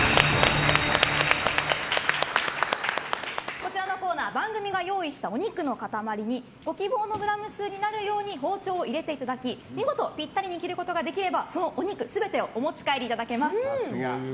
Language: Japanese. こちらのコーナーは番組が用意したお肉の塊にご希望のグラム数になるように包丁を入れていただき見事ピッタリに切ることができればそのお肉全てをお持ち帰りいただけます。